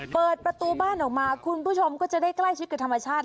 เปิดประตูบ้านออกมาคุณผู้ชมก็จะได้ใกล้ชิดกับธรรมชาติ